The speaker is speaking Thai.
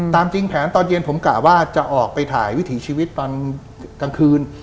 จริงแผนตอนเย็นผมกะว่าจะออกไปถ่ายวิถีชีวิตตอนกลางคืน